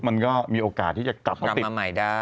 มันก็มีโอกาสที่จะกลับมาติด